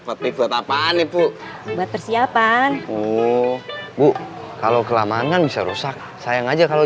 peti buat apaan ibu buat persiapan bu kalau kelamaan kan bisa rusak sayang aja kalau